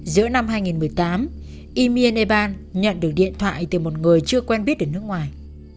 giữa năm hai nghìn một mươi tám emian eban nhận được điện thoại từ một người chưa quen biết ở nước ngoài